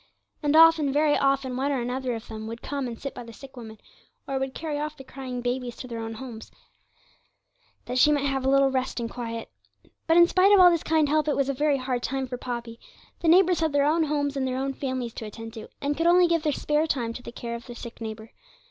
And often, very often, one or another of them would come and sit by the sick woman, or would carry off the crying babies to their own homes, that she might have a little rest and quiet. But, in spite of all this kind help, it was a very hard time for Poppy. The neighbours had their own homes and their own families to attend to, and could only give their spare time to the care of their sick neighbour.